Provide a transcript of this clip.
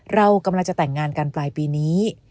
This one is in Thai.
เรากำลังจะแต่งงานกันปลายปีนี้